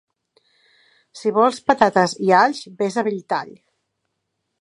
Si vols patates i alls, ves a Belltall.